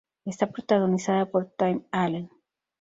Está protagonizada por Tim Allen.